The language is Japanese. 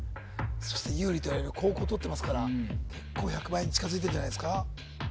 そして有利といわれる後攻取ってますから結構１００万円に近づいてるんじゃないですか？